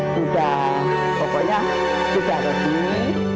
sudah pokoknya sudah resmi